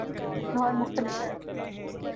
لاہور مختلف ہے۔